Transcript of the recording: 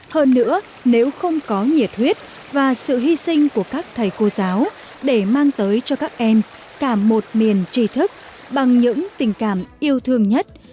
hơn nữa nếu không có nhiệt huyết và sự hy sinh của các thầy cô giáo để mang tới cho các em cả một miền trí thức bằng những tình cảm yêu thương nhất